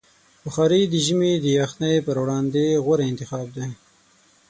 بخاري د ژمي د یخنۍ پر وړاندې غوره انتخاب دی.